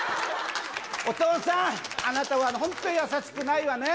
お父さん、あなたは本当優しくないわね。